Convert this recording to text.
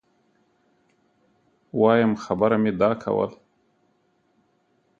وایم خبره مي دا کول